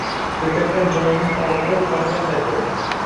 Ko‘kargan joyining og‘rig‘i qolganday bo‘ldi.